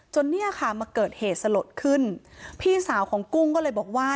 เนี่ยค่ะมาเกิดเหตุสลดขึ้นพี่สาวของกุ้งก็เลยบอกว่า